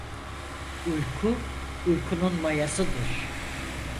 Uyku, uykunun mayasıdır.